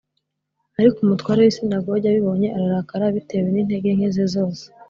Ariko umutware w isinagogi abibonye ararakara bitewen intege nke ze zose